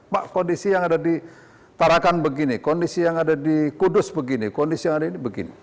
pak kondisi yang ada di tarakan begini kondisi yang ada di kudus begini kondisi yang ada ini begini